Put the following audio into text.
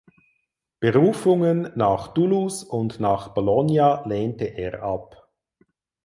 Berufungen nach Toulouse und nach Bologna lehnte er ab.